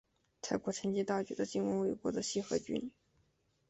秦国趁机大举的进攻魏国的西河郡。